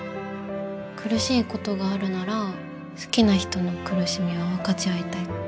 苦しいことがあるなら好きな人の苦しみは分かち合いたい。